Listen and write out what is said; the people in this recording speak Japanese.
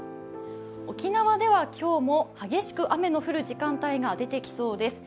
沖縄では今日も激しく雨の降る時間帯が出てきそうです。